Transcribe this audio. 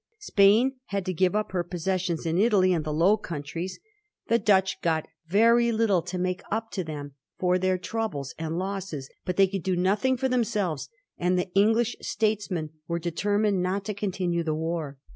Spain had to give up her possessions in Italy and the Low Countries. Digiti zed by Google 122 A HISTORY OF THE POUR GEORGES. ch. vi. The Dutch got very little to make up to them for their troubles and losses, but they could do nothing for themselves, and the English statesmen were determined not to continue the war.